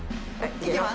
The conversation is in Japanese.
いきます。